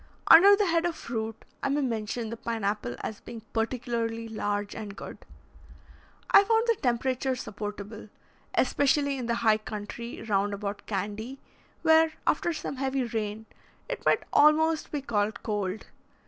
Under the head of fruit, I may mention the pine apple as being particularly large and good. I found the temperature supportable, especially in the high country round about Candy, where, after some heavy rain, it might almost be called cold.